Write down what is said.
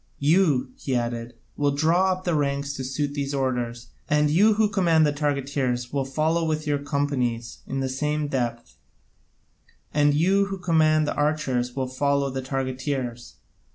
You," he added, "will draw up the ranks to suit these orders, and you who command the targeteers will follow with your companies in the same depth, and you who command the archers will follow the targeteers.